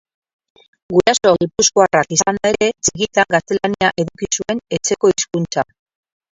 Guraso gipuzkoarrak izanda ere, txikitan gaztelania eduki zuen etxeko hizkuntza.